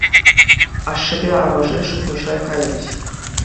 Ашшӗпе амӑшӗ шухӑша кайрӗҫ.